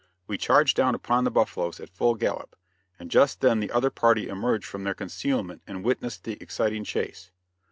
We charged down upon the buffaloes, at full gallop, and just then the other party emerged from their concealment and witnessed the exciting chase.